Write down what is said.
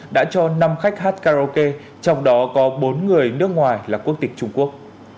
đã cho năm khách hát karaoke trong đó có bốn người nước ngoài là quốc tịch trung quốc